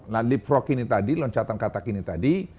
nah leapfrog ini tadi loncatan katak ini tadi